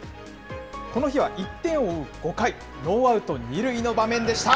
この日は１点を追う５回、ノーアウト２塁の場面でした。